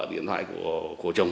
trong thời gian qua hay không